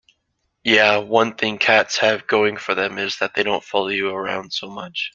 Yeah, one thing cats have going for them is that they don't follow you around so much.